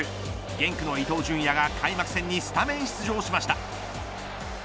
ゲンクの伊東純也が開幕戦にスタメン出場しました。